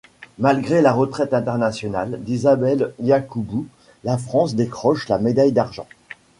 Malgré la retraite internationale d'Isabelle Yacoubou, la France décroche la médaille d'argent.